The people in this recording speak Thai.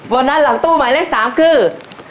โบนัสหลังตู้หมายเลข๓คือ